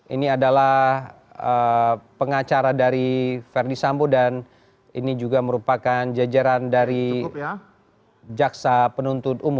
ini adalah pengacara dari verdi sambo dan ini juga merupakan jajaran dari jaksa penuntut umum